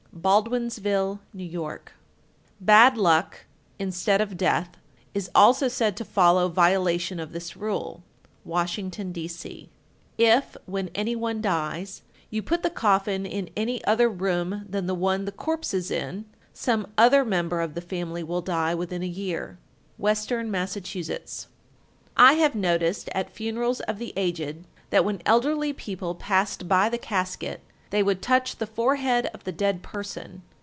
Baldwinsville, N.Y. 1245. Bad luck (instead of death) is also said to follow violation of this rule. Washington, D.C. 1246. If, when any one dies, you put the coffin in any other room than the one the corpse is in, some other member of the family will die within a year. Western Massachusetts. 1247. "I have noticed at funerals of the aged, that when elderly people passed by the casket they would touch the forehead of the dead person.